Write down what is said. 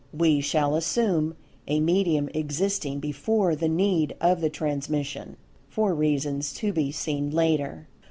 We shall assume a medium existing before the need of the transmission (for reasons to be seen later.)